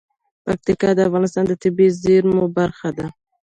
پکتیکا د افغانستان د طبیعي زیرمو برخه ده.